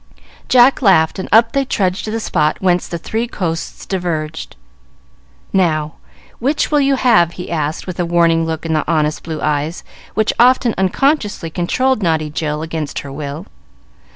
Jack laughed, and up they trudged to the spot whence the three coasts diverged. "Now, which will you have?" he asked, with a warning look in the honest blue eyes which often unconsciously controlled naughty Jill against her will.